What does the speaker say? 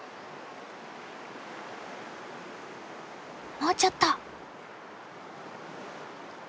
もうちょっと！